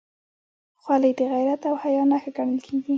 خولۍ د غیرت او حیا نښه ګڼل کېږي.